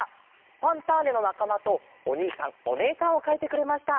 「ファンターネ！」のなかまとおにいさんおねえさんをかいてくれました。